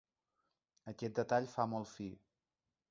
Aquest detall fa molt fi.